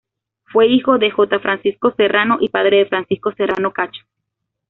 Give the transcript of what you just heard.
Fue hijo de J. Francisco Serrano y padre de Francisco Serrano Cacho.